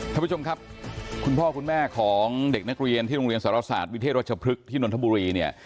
ท่านผู้ชมครับคุณพ่อคุณแม่ของเด็กนักเรียนที่โรงเรียนสารศาสตร์วิเทศรัชพฤกษ์ที่นนทบุรีเนี่ย